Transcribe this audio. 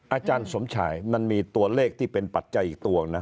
อาจารย์สมชายมันมีตัวเลขที่เป็นปัจจัยอีกตัวนะ